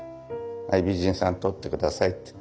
はい美人さん撮って下さい。